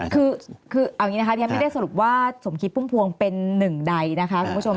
คือเอาอย่างนี้นะคะที่ฉันไม่ได้สรุปว่าสมคิดพุ่มพวงเป็นหนึ่งใดนะคะคุณผู้ชม